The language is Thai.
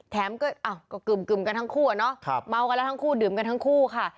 ก็กึ่มกันทั้งคู่อะเนาะเมากันแล้วทั้งคู่ดื่มกันทั้งคู่ค่ะ